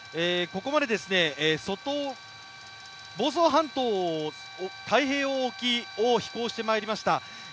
ここまで房総半島、太平洋沖を飛行してまいりました。